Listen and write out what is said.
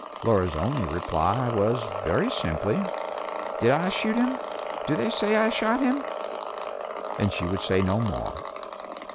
Laura's only reply was, very simply, "Did I shoot him? Do they say I shot him?". And she would say no more.